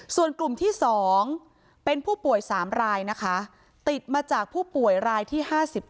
ส่วนกลุ่มที่๒เป็นผู้ป่วย๓รายนะคะติดมาจากผู้ป่วยรายที่๕๗